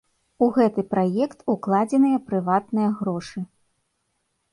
У гэты праект укладзеныя прыватныя грошы.